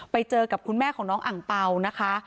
ไปเจอกับคุณแม่ของน้องอังเปล่านะคะ